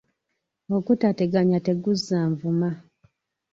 Ogutateganya teguzza nvuma.